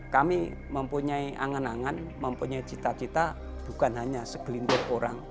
kami mempunyai angan angan mempunyai cita cita bukan hanya segelintir orang